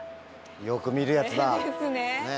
よく見るやつだ。ですね。